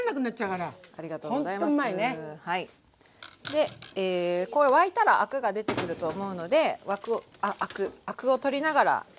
でえこれ沸いたらアクが出てくると思うのでアクアクを取りながら。